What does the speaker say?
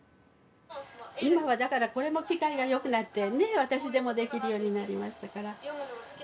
今はだからこれも機械が良くなって私でもできるようになりましたから。